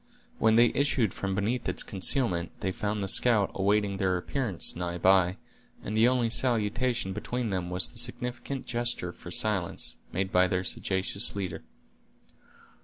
When they issued from beneath its concealment, they found the scout awaiting their appearance nigh by, and the only salutation between them was the significant gesture for silence, made by their sagacious leader.